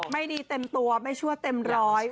ไม่ดีเต็มตัวไม่ชั่วเต็มร้อย